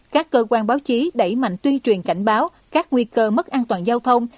các cơ quan báo chí đẩy mạnh tuyên truyền cảnh báo các nguy cơ mất an toàn giao thông